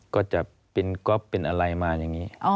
ก็จะเป็นก๊อฟเป็นอะไรมาอย่างนี้